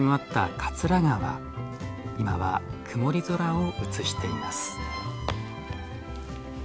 桂川今は曇り空を映しています。